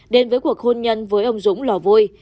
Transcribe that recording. đến với cuộc hôn nhân với ông dũng lò vui